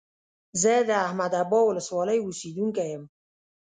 زه د احمد ابا ولسوالۍ اوسيدونکى يم.